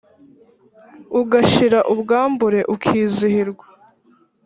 Ugashira ubwambure ukizihirwa